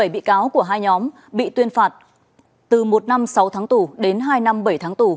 bảy mươi bị cáo của hai nhóm bị tuyên phạt từ một năm sáu tháng tù đến hai năm bảy tháng tù